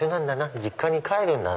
実家に帰るんだな。